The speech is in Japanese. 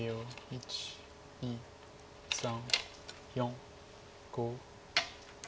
１２３４５。